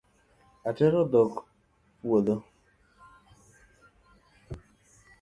Atero dhok e puodho